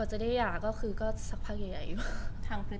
ที่ได้มาเจอกับพี่แชม